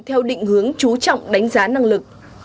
theo định hướng chú trọng đánh giá năng lực